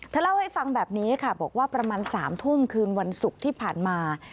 เล่าให้ฟังแบบนี้ค่ะบอกว่าประมาณ๓ทุ่มคืนวันศุกร์ที่ผ่านมา